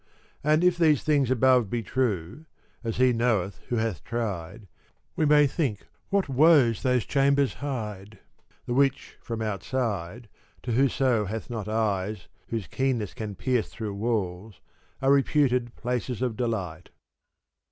And if these things above be true (as he knoweth who hath tried) we may think what woes those chambers hide, the which from outside to whoso hath not eyes whose keenness can pierce through walls, are reputed places of delight.